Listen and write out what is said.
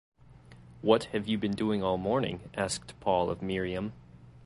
“What have you been doing all morning?” asked Paul of Miriam.